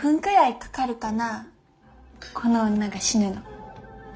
この女が死ぬの。